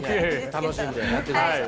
楽しんでやってください。